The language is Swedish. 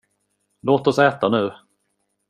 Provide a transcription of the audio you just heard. Låt oss äta nu!